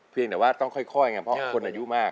เพียงแต่ว่าต้องค่อยไงเพราะคนอายุมาก